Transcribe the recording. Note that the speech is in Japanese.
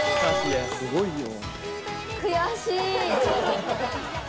すごいよ。